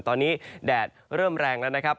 ตอนนี้แดดเริ่มแรงแล้วนะครับ